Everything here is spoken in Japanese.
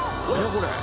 これ。